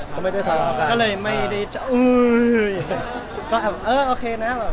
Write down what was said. ก็แบบเออโอเคนะ